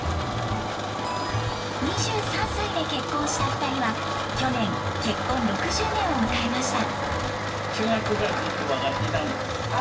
２３歳で結婚した２人は去年結婚６０年を迎えました。